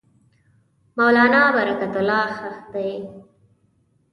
مولنا برکت الله ښخ دی.